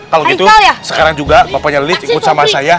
kalo gitu sekarang juga bapaknya elis ikut sama saya